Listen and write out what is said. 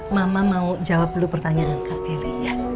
mama mau jawab dulu pertanyaan kak keli